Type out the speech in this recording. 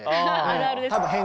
あるあるです。